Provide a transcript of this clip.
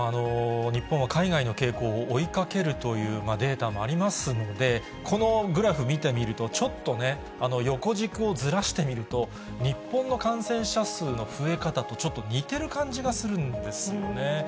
日本は海外の傾向を追いかけるというデータもありますので、このグラフ見てみると、ちょっとね、横軸をずらしてみると、日本の感染者数の増え方とちょっと似てる感じがするんですよね。